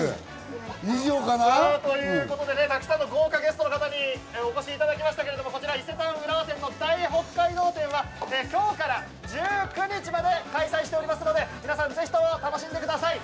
以上かな？ということで豪華ゲストの方にお越しいただきまたけれども、伊勢丹浦和店の大北海道展は今日から１９日まで開催しておりますので、皆さん、ぜひ楽しんでください。